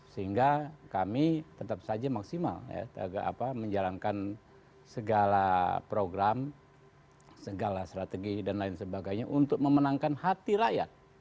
sehingga kami tetap saja maksimal ya menjalankan segala program segala strategi dan lain sebagainya untuk memenangkan hati rakyat